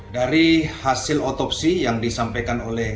dari hasil otopsi yang disampaikan oleh